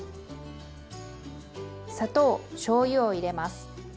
砂糖しょうゆを入れます。